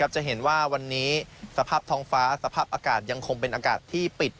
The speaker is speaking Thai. จะเห็นว่าวันนี้สภาพท้องฟ้าสภาพอากาศยังคงเป็นอากาศที่ปิด